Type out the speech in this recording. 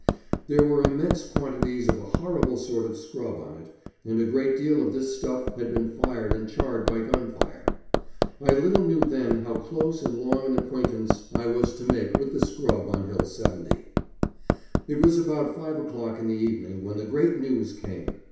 There were immense quantities of a horrible sort of scrub on it, and a great deal of this stuff had been fired and charred by gun fire. I little knew then how close and long an acquaintance I was to make with the scrub on Hill 70. It was about five o'clock in the evening when the great news came.